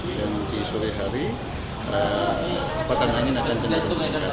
dan di sore hari kecepatan angin akan jenis